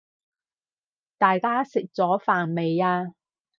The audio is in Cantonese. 大家食咗飯未呀？